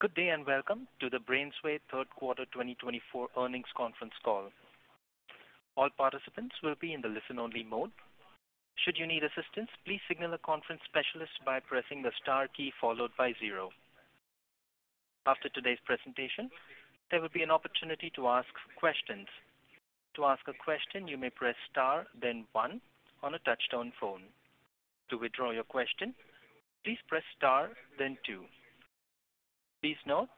Good day and welcome to the BrainsWay Q3 2024 earnings conference call. All participants will be in the listen-only mode. Should you need assistance, please signal a conference specialist by pressing the star key followed by zero. After today's presentation, there will be an opportunity to ask questions. To ask a question, you may press star, then one, on a touch-tone phone. To withdraw your question, please press star, then two. Please note,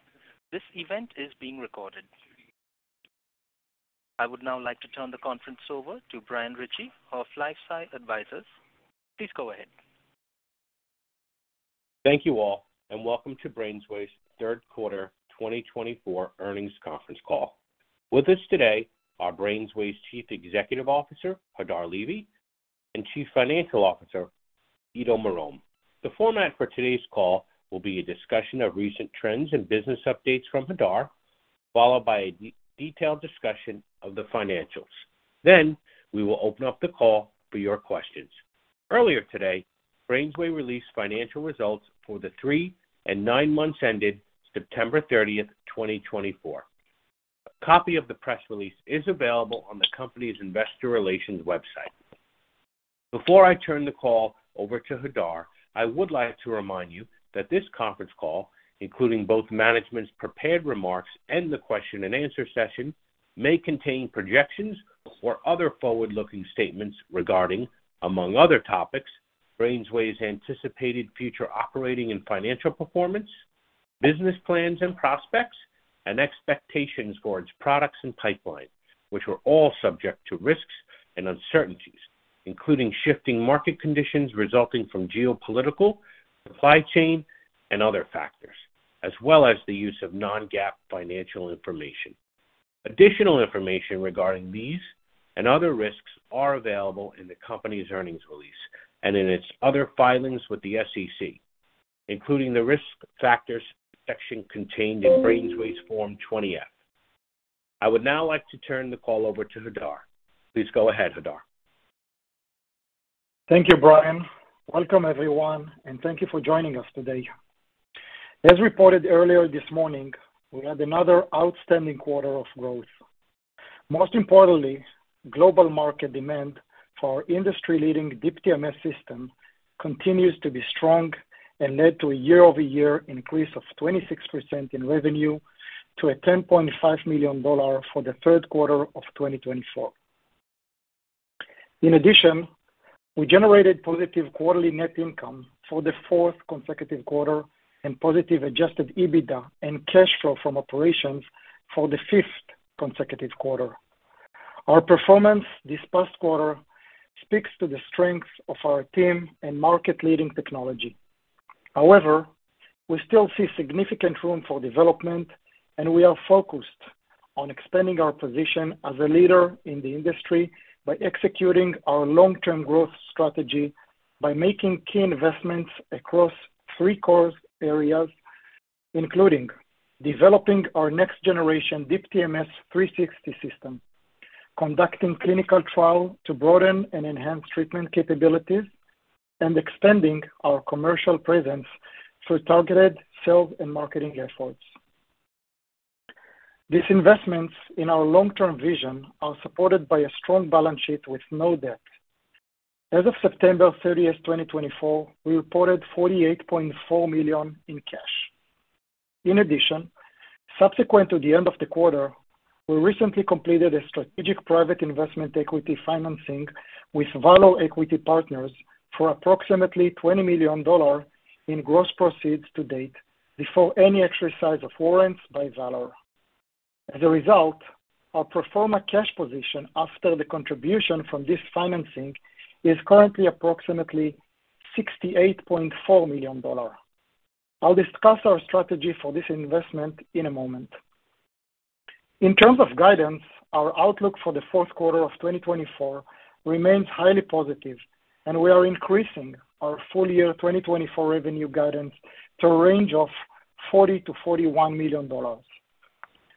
this event is being recorded. I would now like to turn the conference over to Brian Ritchie, of LifeSci Advisors. Please go ahead. Thank you all, and welcome to BrainsWay's Q3 2024 earnings conference call. With us today are BrainsWay's Chief Executive Officer, Hadar Levy, and Chief Financial Officer, Ido Marom. The format for today's call will be a discussion of recent trends and business updates from Hadar, followed by a detailed discussion of the financials. Then we will open up the call for your questions. Earlier today, BrainsWay released financial results for the three and nine months ended September 30, 2024. A copy of the press release is available on the company's investor relations website. Before I turn the call over to Hadar, I would like to remind you that this conference call, including both management's prepared remarks and the question-and-answer session, may contain projections or other forward-looking statements regarding, among other topics, BrainsWay's anticipated future operating and financial performance, business plans and prospects, and expectations for its products and pipeline, which were all subject to risks and uncertainties, including shifting market conditions resulting from geopolitical, supply chain, and other factors, as well as the use of non-GAAP financial information. Additional information regarding these and other risks is available in the company's earnings release and in its other filings with the SEC, including the risk factors section contained in BrainsWay's Form 20-F. I would now like to turn the call over to Hadar. Please go ahead, Hadar. Thank you, Brian. Welcome, everyone, and thank you for joining us today. As reported earlier this morning, we had another outstanding quarter of growth. Most importantly, global market demand for our industry-leading Deep TMS system continues to be strong and led to a year-over-year increase of 26% in revenue to $10.5 million for the Q3 of 2024. In addition, we generated positive quarterly net income for the fourth consecutive quarter and positive Adjusted EBITDA and cash flow from operations for the fifth consecutive quarter. Our performance this past quarter speaks to the strengths of our team and market-leading technology. However, we still see significant room for development, and we are focused on expanding our position as a leader in the industry by executing our long-term growth strategy by making key investments across three core areas, including developing our next-generation Deep TMS 360 system, conducting clinical trials to broaden and enhance treatment capabilities, and expanding our commercial presence through targeted sales and marketing efforts. These investments in our long-term vision are supported by a strong balance sheet with no debt. As of September 30, 2024, we reported $48.4 million in cash. In addition, subsequent to the end of the quarter, we recently completed a strategic private investment equity financing with Valor Equity Partners for approximately $20 million in gross proceeds to date before any exercise of warrants by Valor. As a result, our pro forma cash position after the contribution from this financing is currently approximately $68.4 million. I'll discuss our strategy for this investment in a moment. In terms of guidance, our outlook for the Q4 of 2024 remains highly positive, and we are increasing our full-year 2024 revenue guidance to a range of $40-$41 million.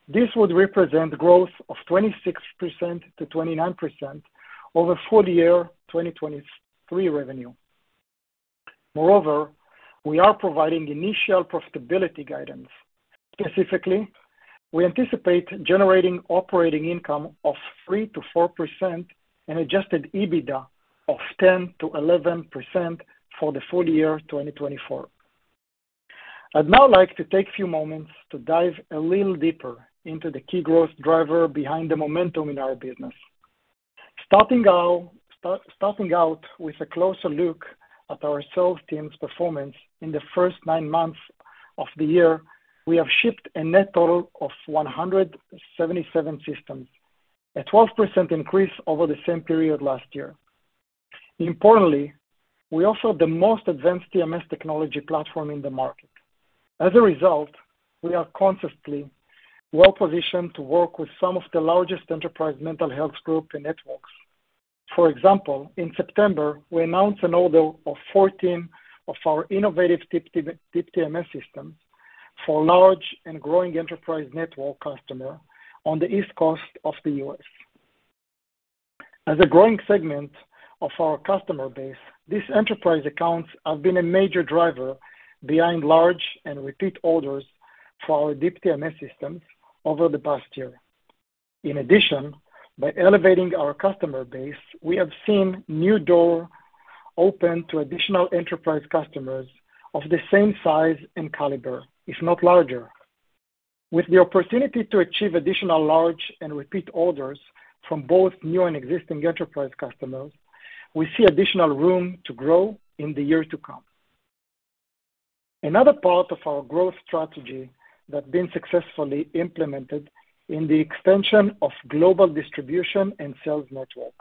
This would represent growth of 26%-29% over full-year 2023 revenue. Moreover, we are providing initial profitability guidance. Specifically, we anticipate generating operating income of 3%-4% and adjusted EBITDA of 10%-11% for the full-year 2024. I'd now like to take a few moments to dive a little deeper into the key growth driver behind the momentum in our business. Starting out with a closer look at our sales team's performance in the first nine months of the year, we have shipped a net total of 177 systems, a 12% increase over the same period last year. Importantly, we offer the most advanced TMS technology platform in the market. As a result, we are currently well-positioned to work with some of the largest enterprise mental health groups and networks. For example, in September, we announced an order of 14 of our innovative Deep TMS systems for large and growing enterprise network customers on the East Coast of the U.S. As a growing segment of our customer base, these enterprise accounts have been a major driver behind large and repeat orders for our Deep TMS systems over the past year. In addition, by elevating our customer base, we have seen new doors open to additional enterprise customers of the same size and caliber, if not larger. With the opportunity to achieve additional large and repeat orders from both new and existing enterprise customers, we see additional room to grow in the years to come. Another part of our growth strategy that's been successfully implemented is the extension of global distribution and sales network.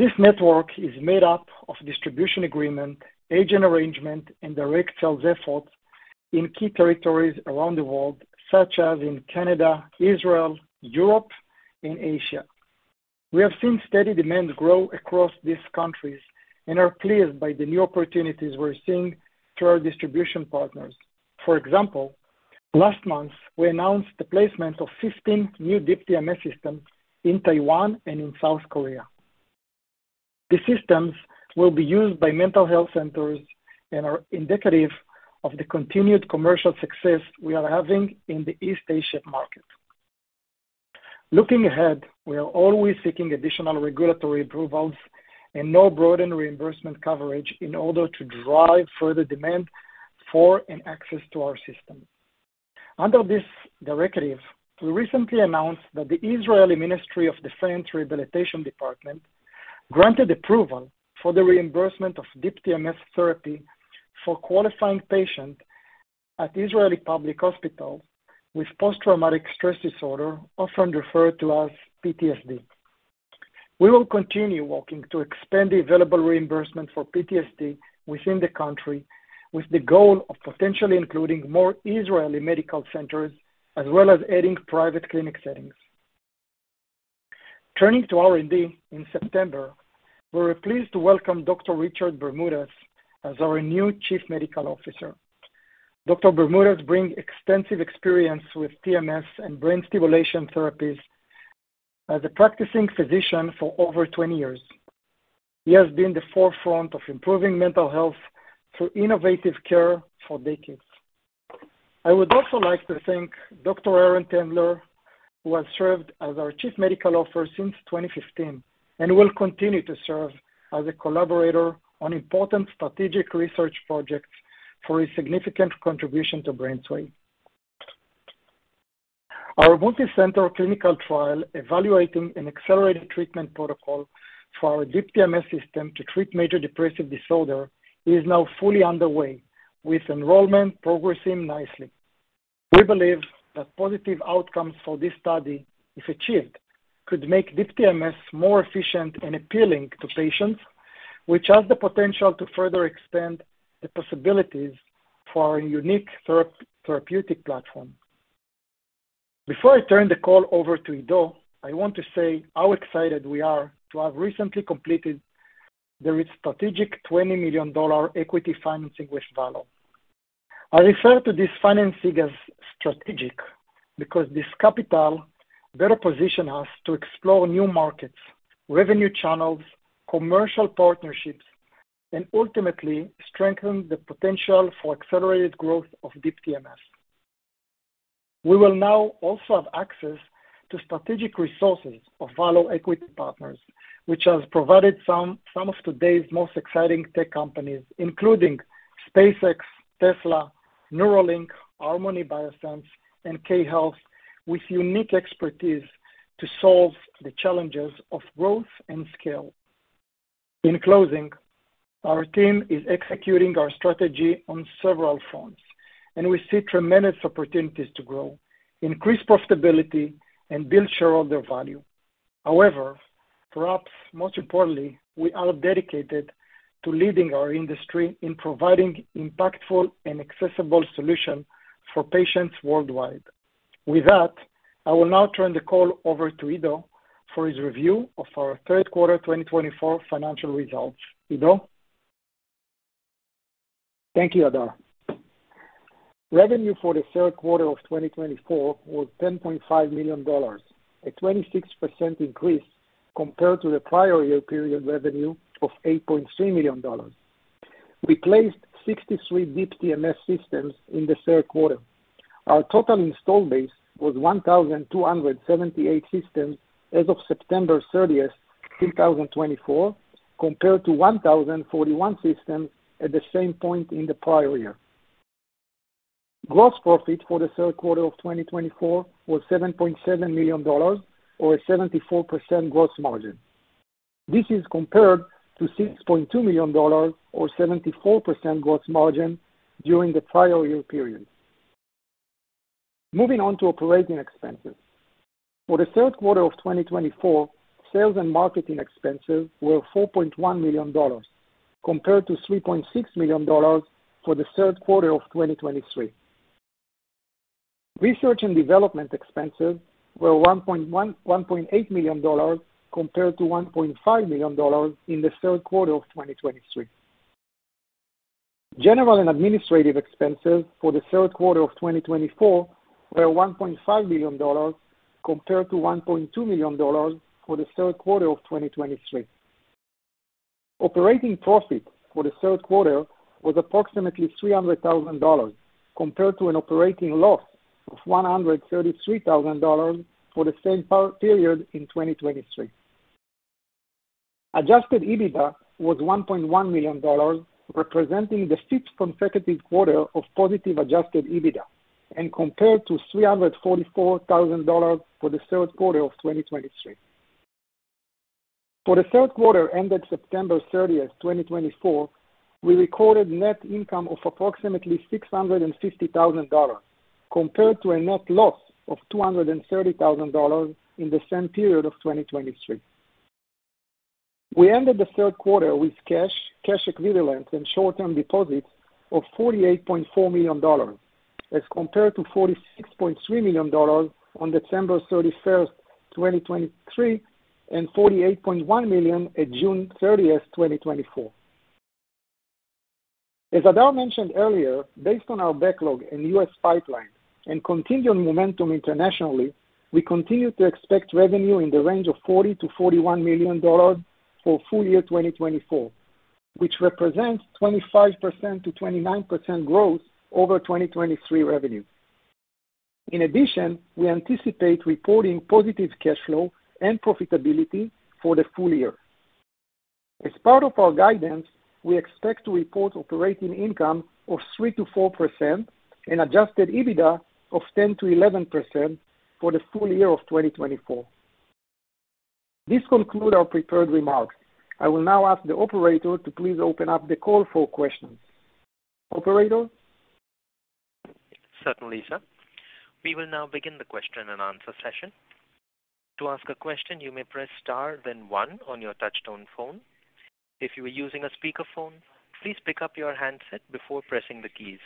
This network is made up of distribution agreements, agent arrangements, and direct sales efforts in key territories around the world, such as in Canada, Israel, Europe, and Asia. We have seen steady demand grow across these countries and are pleased by the new opportunities we're seeing through our distribution partners. For example, last month, we announced the placement of 15 new Deep TMS systems in Taiwan and in South Korea. These systems will be used by mental health centers and are indicative of the continued commercial success we are having in the East Asia market. Looking ahead, we are always seeking additional regulatory approvals and new broadened reimbursement coverage in order to drive further demand for and access to our system. Under this directive, we recently announced that the Israeli Ministry of Defense Rehabilitation Department granted approval for the reimbursement of Deep TMS therapy for qualifying patients at Israeli public hospitals with post-traumatic stress disorder, often referred to as PTSD. We will continue working to expand the available reimbursement for PTSD within the country, with the goal of potentially including more Israeli medical centers as well as adding private clinic settings. Turning to our R&D, in September, we were pleased to welcome Dr. Richard Bermudes as our new Chief Medical Officer. Dr. Bermudes brings extensive experience with TMS and brain stimulation therapies as a practicing physician for over 20 years. He has been at the forefront of improving mental health through innovative care for decades. I would also like to thank Dr. Aaron Tendler, who has served as our Chief Medical Officer since 2015 and will continue to serve as a collaborator on important strategic research projects for his significant contribution to BrainsWay. Our multicenter clinical trial evaluating an accelerated treatment protocol for our Deep TMS system to treat major depressive disorder is now fully underway, with enrollment progressing nicely. We believe that positive outcomes for this study, if achieved, could make Deep TMS more efficient and appealing to patients, which has the potential to further expand the possibilities for our unique therapeutic platform. Before I turn the call over to Ido, I want to say how excited we are to have recently completed the strategic $20 million equity financing with Valor. I refer to this financing as strategic because this capital better positions us to explore new markets, revenue channels, commercial partnerships, and ultimately strengthen the potential for accelerated growth of Deep TMS. We will now also have access to strategic resources of Valor Equity Partners, which has provided some of today's most exciting tech companies, including SpaceX, Tesla, Neuralink, Harmony Biosciences, and K Health, with unique expertise to solve the challenges of growth and scale. In closing, our team is executing our strategy on several fronts, and we see tremendous opportunities to grow, increase profitability, and build shareholder value. However, perhaps most importantly, we are dedicated to leading our industry in providing impactful and accessible solutions for patients worldwide. With that, I will now turn the call over to Ido for his review of our Q3 2024 financial results. Ido? Thank you, Hadar. Revenue for the Q3 of 2024 was $10.5 million, a 26% increase compared to the prior year period revenue of $8.3 million. We placed 63 Deep TMS systems in the third quarter. Our total install base was 1,278 systems as of September 30, 2024, compared to 1,041 systems at the same point in the prior year. Gross profit for the Q3 of 2024 was $7.7 million, or a 74% gross margin. This is compared to $6.2 million, or 74% gross margin, during the prior year period. Moving on to operating expenses. For the Q3 of 2024, sales and marketing expenses were $4.1 million, compared to $3.6 million for the Q3 of 2023. Research and development expenses were $1.8 million, compared to $1.5 million in the Q3 of 2023. General and administrative expenses for the Q3 of 2024 were $1.5 million, compared to $1.2 million for the Q3 of 2023. Operating profit for the Q3 was approximately $300,000, compared to an operating loss of $133,000 for the same period in 2023. Adjusted EBITDA was $1.1 million, representing the fifth consecutive quarter of positive adjusted EBITDA, and compared to $344,000 for the Q3 of 2023. For the Q3 ended September 30, 2024, we recorded net income of approximately $650,000, compared to a net loss of $230,000 in the same period of 2023. We ended the Q3 with cash, cash equivalents, and short-term deposits of $48.4 million, as compared to $46.3 million on December 31, 2023, and $48.1 million at June 30, 2024. As Hadar mentioned earlier, based on our backlog and U.S. pipeline and continued momentum internationally, we continue to expect revenue in the range of $40-$41 million for full-year 2024, which represents 25%-29% growth over 2023 revenue. In addition, we anticipate reporting positive cash flow and profitability for the full year. As part of our guidance, we expect to report operating income of 3%-4% and Adjusted EBITDA of 10%-11% for the full year of 2024. This concludes our prepared remarks. I will now ask the operator to please open up the call for questions. Operator? Certainly, sir. We will now begin the question and answer session. To ask a question, you may press Star, then 1 on your touch-tone phone. If you are using a speakerphone, please pick up your handset before pressing the keys.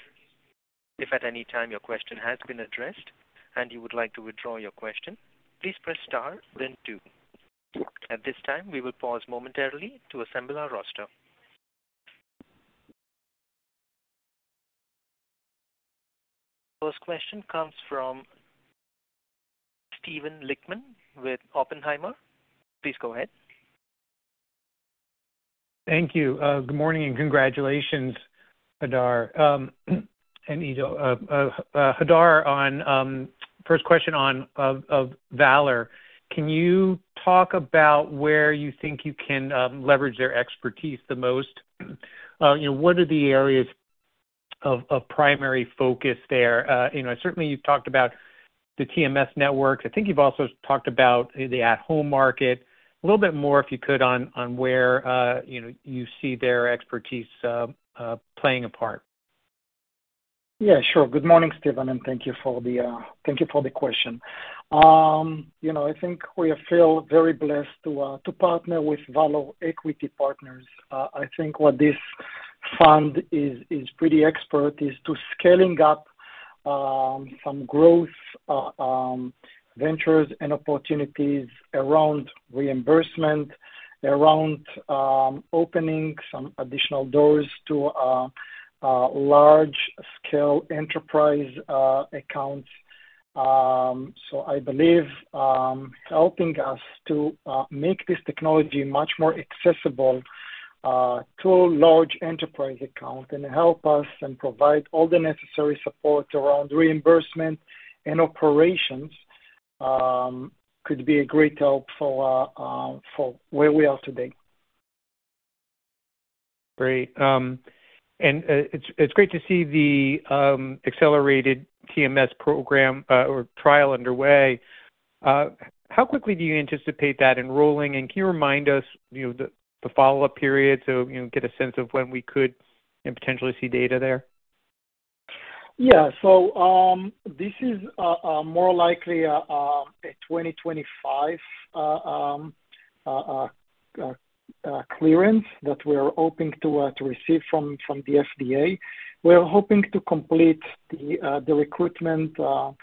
If at any time your question has been addressed and you would like to withdraw your question, please press Star, then 2. At this time, we will pause momentarily to assemble our roster. First question comes from Steven Lichtman with Oppenheimer. Please go ahead. Thank you. Good morning and congratulations, Hadar and Ido. Hadar, first question on Valor. Can you talk about where you think you can leverage their expertise the most? What are the areas of primary focus there? Certainly, you've talked about the TMS network. I think you've also talked about the at-home market. A little bit more, if you could, on where you see their expertise playing a part. Yeah, sure. Good morning, Steven, and thank you for the question. I think we feel very blessed to partner with Valor Equity Partners. I think what this fund is pretty expert is to scale up some growth ventures and opportunities around reimbursement, around opening some additional doors to large-scale enterprise accounts. So I believe helping us to make this technology much more accessible to large enterprise accounts and help us and provide all the necessary support around reimbursement and operations could be a great help for where we are today. Great, and it's great to see the accelerated TMS program or trial underway. How quickly do you anticipate that enrolling, and can you remind us the follow-up period to get a sense of when we could potentially see data there? Yeah. So this is more likely a 2025 clearance that we are hoping to receive from the FDA. We are hoping to complete the recruitment sometime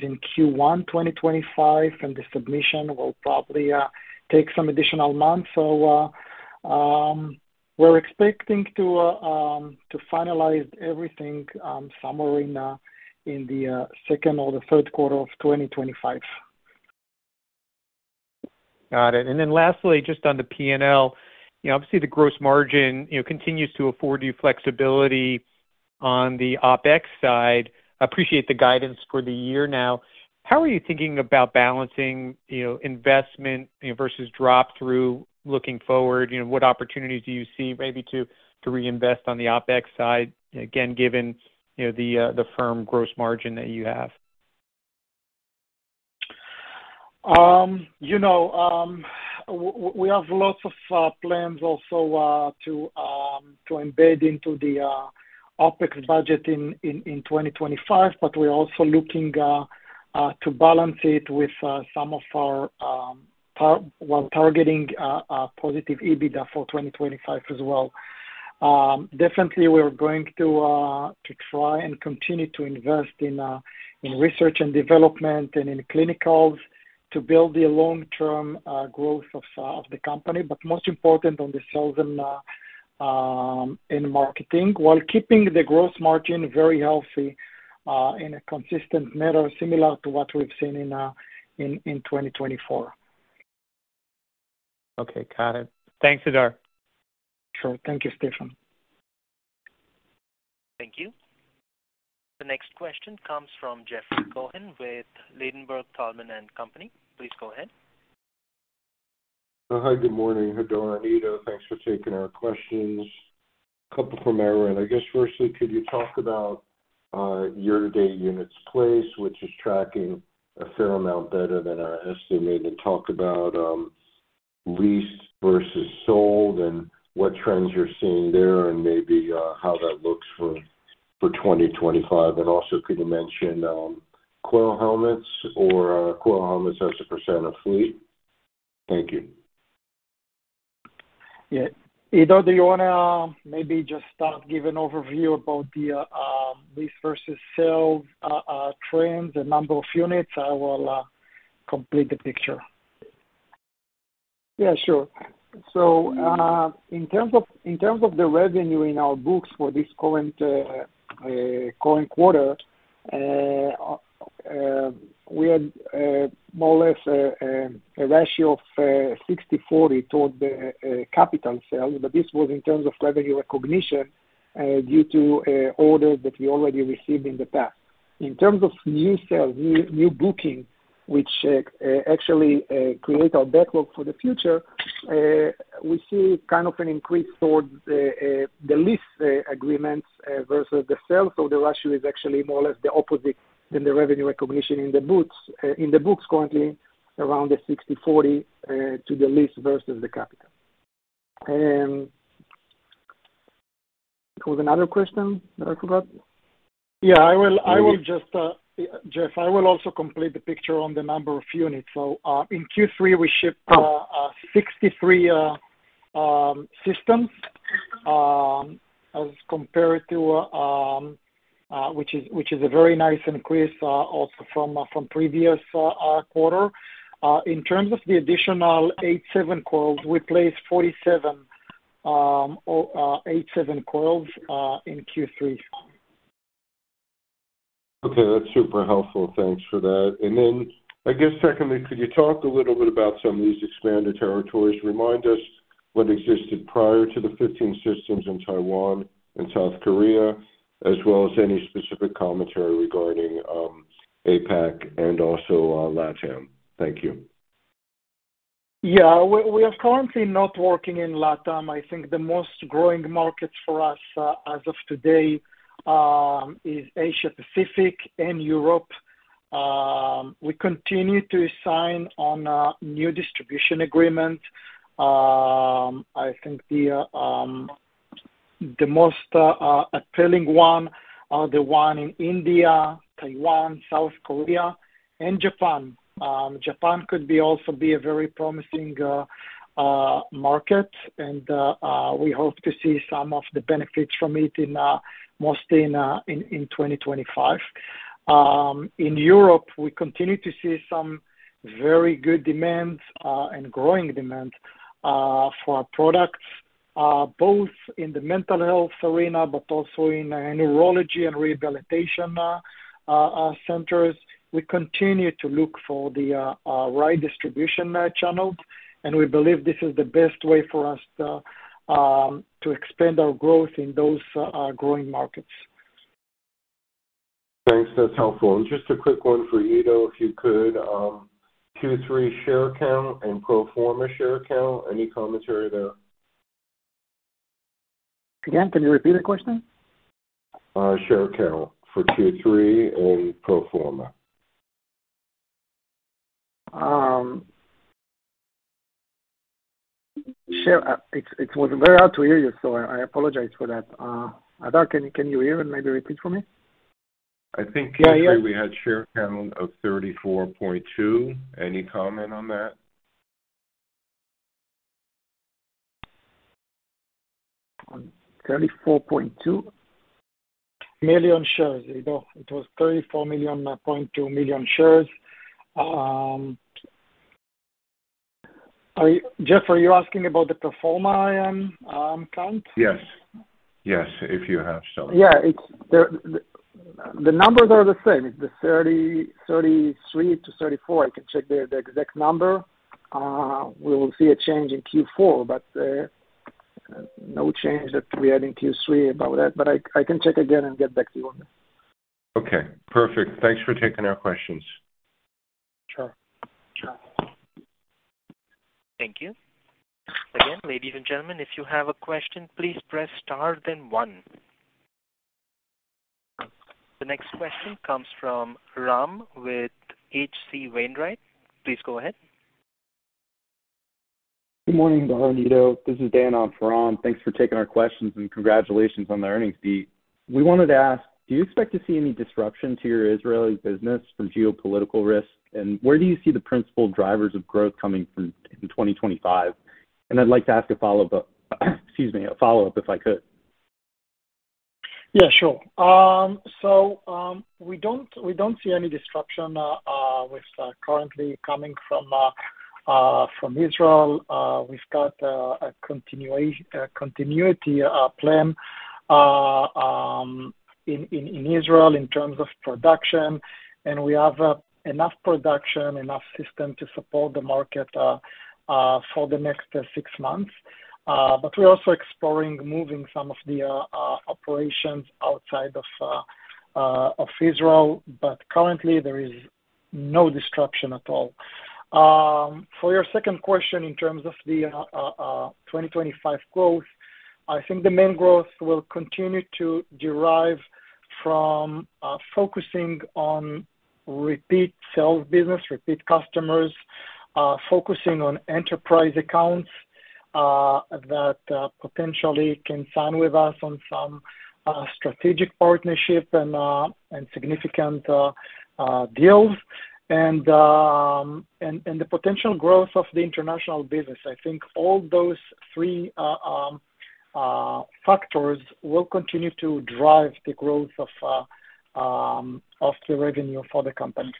in Q1 2025, and the submission will probably take some additional months. So we're expecting to finalize everything somewhere in the second or the third quarter of 2025. Got it. And then lastly, just on the P&L, obviously, the gross margin continues to afford you flexibility on the OpEx side. I appreciate the guidance for the year now. How are you thinking about balancing investment versus drop-through looking forward? What opportunities do you see maybe to reinvest on the OpEx side, again, given the firm gross margin that you have? We have lots of plans also to embed into the OpEx budget in 2025, but we're also looking to balance it with some of our while targeting positive EBITDA for 2025 as well. Definitely, we are going to try and continue to invest in research and development and in clinicals to build the long-term growth of the company, but most importantly, on the sales and marketing while keeping the gross margin very healthy in a consistent manner, similar to what we've seen in 2024. Okay. Got it. Thanks, Hadar. Sure. Thank you, Steven. Thank you. The next question comes from Jeff Cohen with Ladenburg Thalmann & Company. Please go ahead. Hi, good morning, Hadar and Ido. Thanks for taking our questions. A couple from our end. I guess, firstly, could you talk about your Deep units placed, which is tracking a fair amount better than our estimate, and talk about leased versus sold and what trends you're seeing there and maybe how that looks for 2025? And also, could you mention coil helmets or coil helmets as a % of fleet? Thank you. Yeah. Ido, do you want to maybe just start giving an overview about the lease versus sales trends and number of units? I will complete the picture. Yeah, sure. So in terms of the revenue in our books for this current quarter, we had more or less a ratio of 60/40 toward the capital sales, but this was in terms of revenue recognition due to orders that we already received in the past. In terms of new sales, new booking, which actually creates our backlog for the future, we see kind of an increase towards the lease agreements versus the sales. So the ratio is actually more or less the opposite than the revenue recognition in the books currently, around the 60/40 to the lease versus the capital. Was there another question that I forgot? Yeah. I will just, Jeff, I will also complete the picture on the number of units. So in Q3, we shipped 63 systems as compared to which is a very nice increase also from previous quarter. In terms of the additional H7 coils, we placed 47 H7 coils in Q3. Okay. That's super helpful. Thanks for that, and then, I guess, secondly, could you talk a little bit about some of these expanded territories? Remind us what existed prior to the 15 systems in Taiwan and South Korea, as well as any specific commentary regarding APAC and also LATAM. Thank you. Yeah. We are currently not working in LATAM. I think the most growing markets for us as of today are Asia-Pacific and Europe. We continue to sign on new distribution agreements. I think the most appealing ones are the ones in India, Taiwan, South Korea, and Japan. Japan could also be a very promising market, and we hope to see some of the benefits from it mostly in 2025. In Europe, we continue to see some very good demand and growing demand for our products, both in the mental health arena but also in neurology and rehabilitation centers. We continue to look for the right distribution channels, and we believe this is the best way for us to expand our growth in those growing markets. Thanks. That's helpful, and just a quick one for Ido, if you could. Q3 share count and pro forma share count? Any commentary there? Again, can you repeat the question? Share account for Q3 and pro forma. It was very hard to hear you, so I apologize for that. Hadar, can you hear and maybe repeat for me? I think Q3, we had share count of 34.2. Any comment on that? 34.2 million shares, Ido. It was 34.2 million shares. Jeff, are you asking about the pro forma count? Yes. Yes, if you have some. Yeah. The numbers are the same. It's the 33-34. I can check the exact number. We will see a change in Q4, but no change that we had in Q3 about that. But I can check again and get back to you on that. Okay. Perfect. Thanks for taking our questions. Sure. Sure. Thank you. Again, ladies and gentlemen, if you have a question, please press Star, then 1. The next question comes from Ram with H.C. Wainwright. Please go ahead. Good morning, Hadar and Ido. This is Dan on Ram. Thanks for taking our questions and congratulations on the earnings. We wanted to ask, do you expect to see any disruption to your Israeli business from geopolitical risk? And where do you see the principal drivers of growth coming from in 2025? And I'd like to ask a follow-up, excuse me, a follow-up if I could. Yeah, sure, so we don't see any disruption currently coming from Israel. We've got a continuity plan in Israel in terms of production, and we have enough production, enough system to support the market for the next six months, but we're also exploring moving some of the operations outside of Israel, but currently, there is no disruption at all. For your second question in terms of the 2025 growth, I think the main growth will continue to derive from focusing on repeat sales business, repeat customers, focusing on enterprise accounts that potentially can sign with us on some strategic partnership and significant deals, and the potential growth of the international business. I think all those three factors will continue to drive the growth of the revenue for the company.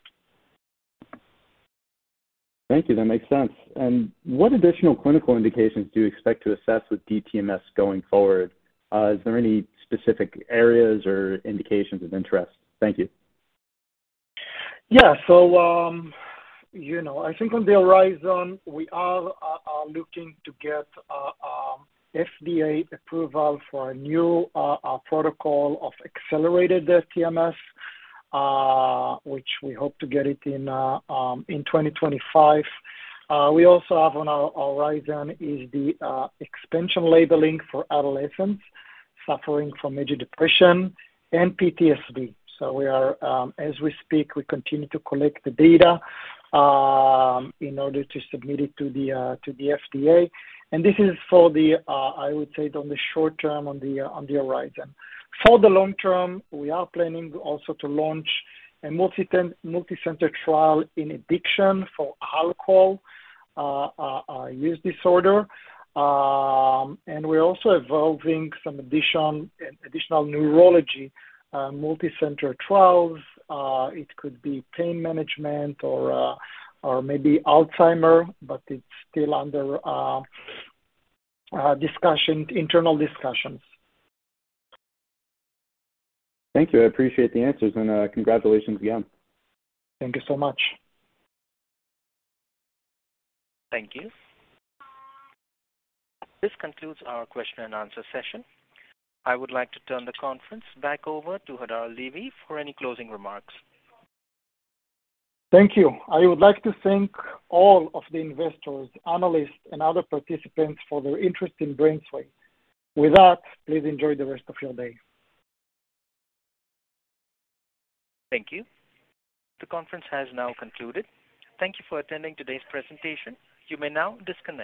Thank you. That makes sense. And what additional clinical indications do you expect to assess with Deep TMS going forward? Is there any specific areas or indications of interest? Thank you. Yeah. So I think on the horizon, we are looking to get FDA approval for a new protocol of accelerated TMS, which we hope to get in 2025. We also have on our horizon the expansion labeling for adolescents suffering from major depression and PTSD. So as we speak, we continue to collect the data in order to submit it to the FDA. And this is for the, I would say, on the short term on the horizon. For the long term, we are planning also to launch a multi-center trial in addiction for alcohol use disorder. And we're also evolving some additional neurology multi-center trials. It could be pain management or maybe Alzheimer's, but it's still under internal discussions. Thank you. I appreciate the answers, and congratulations again. Thank you so much. Thank you. This concludes our question and answer session. I would like to turn the conference back over to Hadar Levy for any closing remarks. Thank you. I would like to thank all of the investors, analysts, and other participants for their interest in BrainsWay. With that, please enjoy the rest of your day. Thank you. The conference has now concluded. Thank you for attending today's presentation. You may now disconnect.